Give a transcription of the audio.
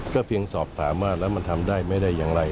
เพียงสอบถามว่าแล้วมันทำได้ไม่ได้อย่างไร